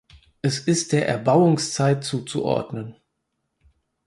Es ist der Erbauungszeit zuzuordnen.